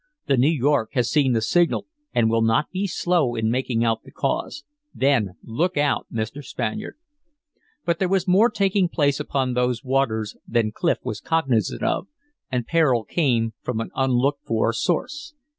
The New York has seen the signal, and will not be slow in making out the cause. Then look out, Mr. Spaniard." But there was more taking place upon those waters than Clif was cognizant of, and peril came from an unlooked for source.